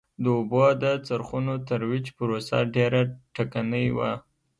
د اوبو د څرخونو ترویج پروسه ډېره ټکنۍ وه.